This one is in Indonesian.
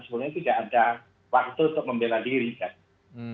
sebenarnya tidak ada waktu untuk membela diri kan